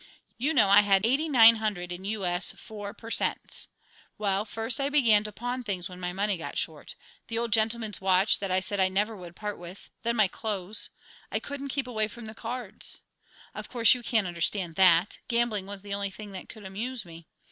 You know I had eighty nine hundred in U.S. 4 per cents. Well, first I began to pawn things when my money got short the Old Gentleman's watch that I said I never would part with, then my clothes. I couldn't keep away from the cards. Of course, you can't understand that; gambling was the only thing that could amuse me.